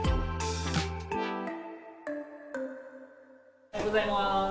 おはようございます。